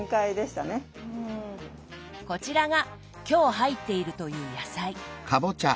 こちらが今日入っているという野菜。